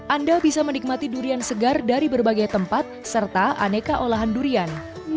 anda bisa menikmati durian segar dari berbagai tempat serta aneka olahan durian